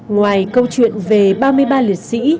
ngoài câu chuyện về ba mươi ba liệt sĩ